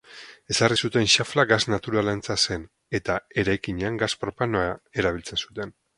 Ezarri zuten xafla gas naturalarentzat zen eta eraikinean gas propanoa erabiltzen zuten.